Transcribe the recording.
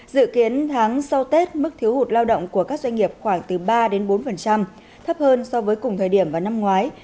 dự kiến tháng sau tết mức thiếu hụt lao động của các doanh nghiệp khoảng từ ba bốn thấp hơn so với cùng thời điểm vào năm ngoái